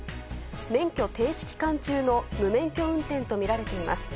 免許停止期間中の無免許運転とみられています。